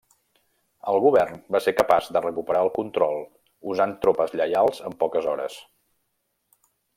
El govern va ser capaç de recuperar el control usant tropes lleials en poques hores.